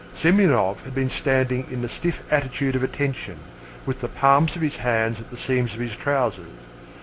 Semyonov had been standing in the stiff attitude of attention, with the palms of his hands at the seams of his trousers.